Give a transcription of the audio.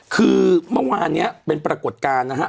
คือเมื่อวานนี้เป็นปรากฏการณ์นะฮะ